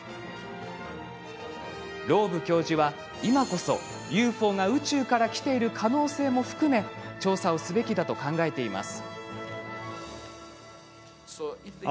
ローブ教授は、今こそＵＦＯが宇宙から来ている可能性を含め調査をすべきだと考えています。